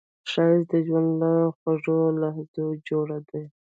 ښایست د ژوند له خوږو لحظو جوړ دی